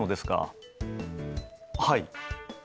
はい。